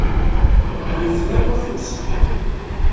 Wwten akk afus.